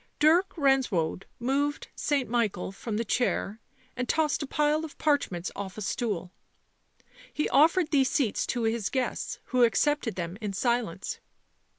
Dirk Renswoude moved St. Michael from the chair and tossed a pile of parchments off a stool. He offered these seats to his guests, who accepted them in silence.